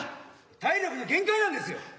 体力の限界なんですよ。